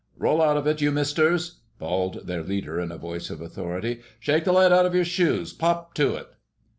"Roll out of it, you Misters!" bawled their leader in a voice of authority. "Shake the lead out of your shoes! Pop to it!"